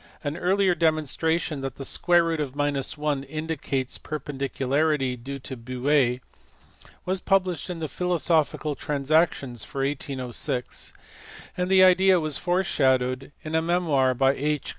An earlier demonstration that /v /( 1) indicates perpendicularity, due to Buee, was published in the Philo sophical Transactions for 1806, and the idea was foreshadowed in a memoir by H.